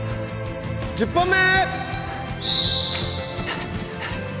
１０本目！